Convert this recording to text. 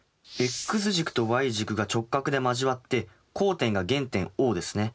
ｘ軸とｙ軸が直角で交わって交点が原点Ｏですね。